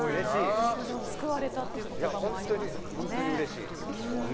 児嶋さん、救われたという言葉もありましたね。